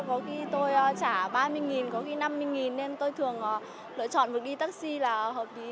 có khi tôi trả ba mươi có khi năm mươi nên tôi thường lựa chọn việc đi taxi là hợp lý